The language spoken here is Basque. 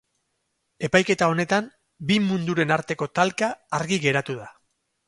Epaiketa honetan, bi munduren arteko talka argi geratu da.